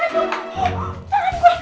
iyih ya aku tersesat